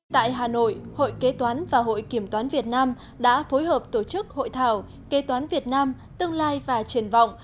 tại hà nội hội kế toán và hội kiểm toán việt nam đã phối hợp tổ chức hội thảo kế toán việt nam tương lai và triển vọng